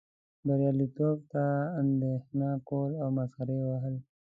بریالیتوب ته اندیښنه کول او مسخرې وهل.